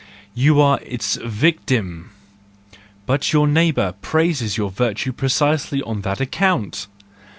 —you are its victim ! But your neighbour praises your virtue precisely on that account!